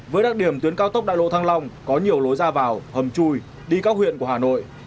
với đặc điểm tuyến cao tốc đại lộ thăng long có nhiều lối ra vào hầm chui đi các huyện của hà nội